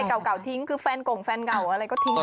อะไรเก่าทิ้งคือแฟนกล่องแฟนเก่าอะไรก็ทิ้งไป